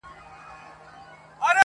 توپونو وراني کړلې خوني د قلا برجونه٫